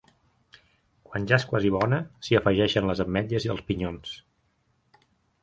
Quan ja és quasi bona, s’hi afegeixen les ametlles i els pinyons.